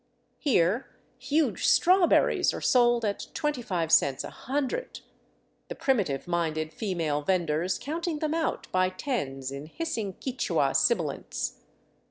Here huge strawberries are sold at twenty five cents a hundred, the primitive minded female vendors counting them out by tens in hissing Quichua sibilants.